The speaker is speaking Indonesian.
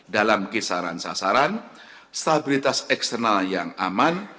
dalam kisaran sasaran stabilitas eksternal yang aman